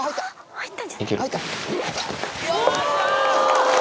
入った！